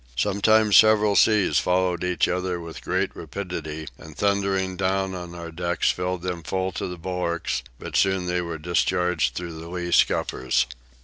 Sometimes several seas following each other with great rapidity and thundering down on our decks filled them full to the bulwarks, but soon they were discharged through the lee scuppers.